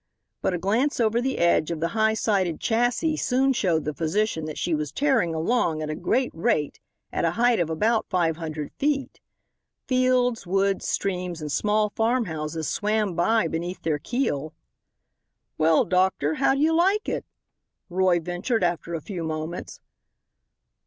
But a glance over the edge of the high sided chassis soon showed the physician that she was tearing along at a great rate at a height of about five hundred feet. Fields, woods, streams and small farmhouses swam by beneath their keel. "Well, doctor, how do you like it?" Roy ventured, after a few moments.